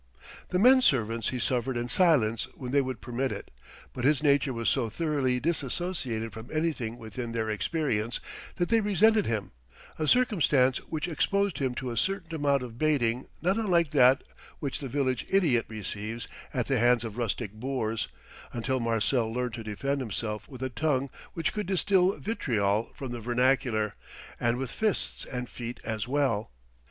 The men servants he suffered in silence when they would permit it; but his nature was so thoroughly disassociated from anything within their experience that they resented him: a circumstance which exposed him to a certain amount of baiting not unlike that which the village idiot receives at the hands of rustic boors until Marcel learned to defend himself with a tongue which could distil vitriol from the vernacular, and with fists and feet as well.